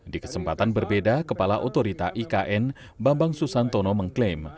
di kesempatan berbeda kepala otorita ikn bambang susantono mengklaim